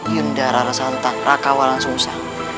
yunda rara santak raka walang sungsang